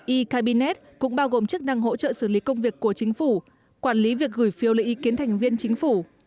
e cabinet cũng bao gồm chức năng hỗ trợ xử lý công việc của chính phủ quản lý việc gửi phiêu lệ ý kiến thành viên chính phủ